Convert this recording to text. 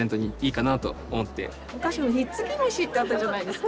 昔ひっつき虫ってあったじゃないですか。